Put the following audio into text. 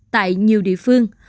tại nhiều địa phương